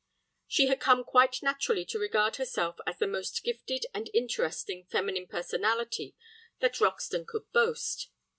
She had come quite naturally to regard herself as the most gifted and interesting feminine personality that Roxton could boast.